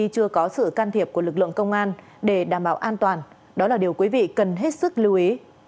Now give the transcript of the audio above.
chưa có sự can thiệp của lực lượng công an để đảm bảo an toàn đó là điều quý vị cần hết sức lưu ý